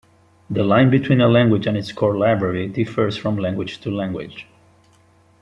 The line between a language and its core library differs from language to language.